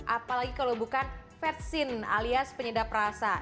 apalagi kalau bukan vetsin alias penyedap rasa